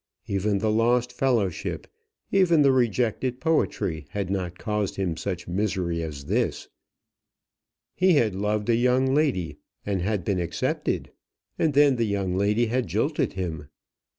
Even the lost fellowship, even the rejected poetry, had not caused him such misery as this. He had loved a young lady, and had been accepted; and then the young lady had jilted him.